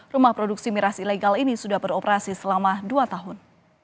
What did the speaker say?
rumah produksi miras ilegal ini sudah beroperasi selama dua tahun